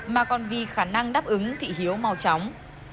mà còn vì khả năng đáp ứng thị hiếu màu tróng